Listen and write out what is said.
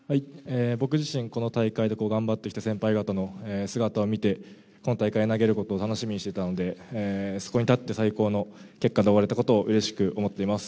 僕自身、この大会で頑張ってきた先輩方の姿を見て、この大会で投げることを楽しみにしていたので、そこに立って最高の結果で終われたことをうれしく思っています。